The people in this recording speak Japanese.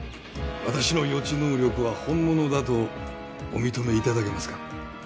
私の予知能力は本物だとお認めいただけますか？